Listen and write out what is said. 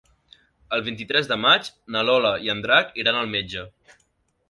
El vint-i-tres de maig na Lola i en Drac iran al metge.